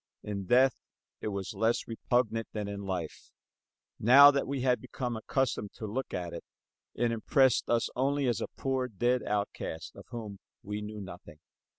In death it was less repugnant than in life. Now that we had become accustomed to look at it, it impressed us only as a poor dead outcast, of whom we knew nothing.